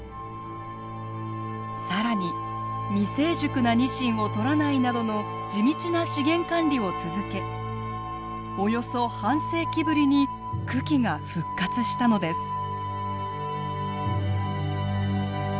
更に未成熟なニシンを取らないなどの地道な資源管理を続けおよそ半世紀ぶりに群来が復活したのです。